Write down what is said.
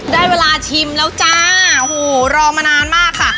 ได้เวลาชิมแล้วจ้าโหรอมานานมากค่ะ